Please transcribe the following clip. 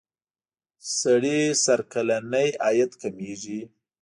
سړي سر کلنی عاید کمیږي.